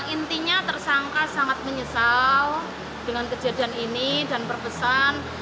intinya tersangka sangat menyesal dengan kejadian ini dan berpesan